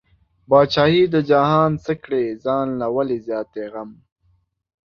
بادشاهي د جهان څه کړې، ځان له ولې زیاتی غم